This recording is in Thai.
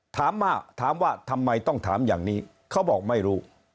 ถามว่าถามว่าทำไมต้องถามอย่างนี้เขาบอกไม่รู้